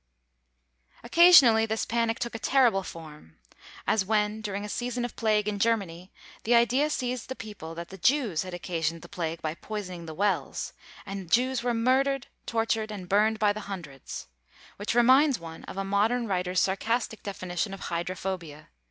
Occasionally this panic took a terrible form; as when during a season of plague in Germany, the idea seized the people that the Jews had occasioned the plague by poisoning the wells; and Jews were murdered, tortured, and burned by the hundreds; which reminds one of a modern writer's sarcastic definition of hydrophobia.